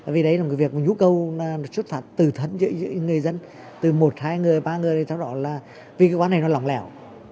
vì đấy là một cái việc nhu cầu trút phạt từ thân giữa những người dân từ một hai người ba người vì cái quan hệ này nó lỏng lẻo